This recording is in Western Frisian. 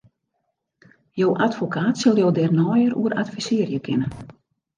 Jo advokaat sil jo dêr neier oer advisearje kinne.